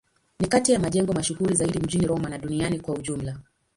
Ni kati ya majengo mashuhuri zaidi mjini Roma na duniani kwa ujumla.